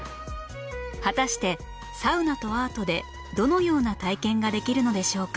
果たしてサウナとアートでどのような体験ができるのでしょうか？